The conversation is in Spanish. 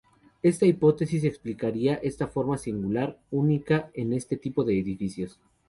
Esta hipótesis explicaría esta forma singular, única en este tipo de edificios.